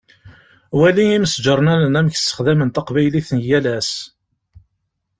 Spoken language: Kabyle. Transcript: Wali imesǧarnanen amek sexdamen taqbaylit n yal ass.